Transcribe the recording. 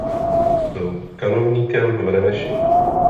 Byl kanovníkem v Remeši.